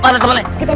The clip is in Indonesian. pak ada teman lel